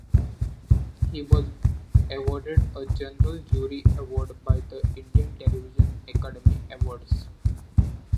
He was awarded a general jury award by the Indian Television Academy Awards.